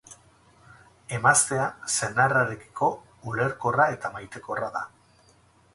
Emaztea senarrarekiko ulerkorra eta maitekorra da.